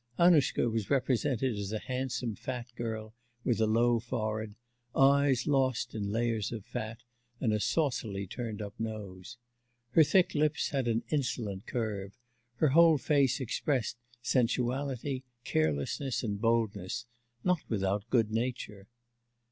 Annushka was represented as a handsome fat girl with a low forehead, eyes lost in layers of fat, and a saucily turned up nose. Her thick lips had an insolent curve; her whole face expressed sensuality, carelessness, and boldness, not without goodnature.